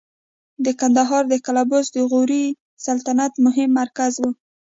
د کندهار د قلعه بست د غوري سلطنت مهم مرکز و